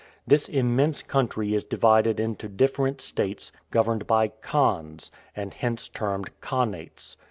This immense country is divided into different states, governed by Khans, and hence termed Khanats.